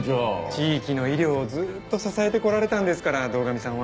地域の医療をずっと支えてこられたんですから堂上さんは。